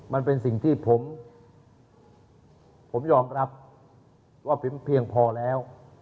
มันเป็นสิ่งที่ผมยอมรับว่าผมเพียงพอแล้ว